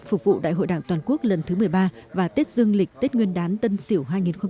phục vụ đại hội đảng toàn quốc lần thứ một mươi ba và tết dương lịch tết nguyên đán tân sỉu hai nghìn hai mươi một